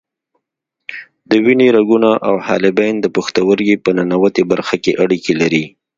د وینې رګونه او حالبین د پښتورګي په ننوتي برخه کې اړیکې لري.